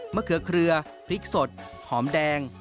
เขือเครือพริกสดหอมแดง